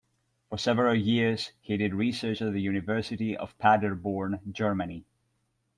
For several years, he did research at the University of Paderborn, Germany.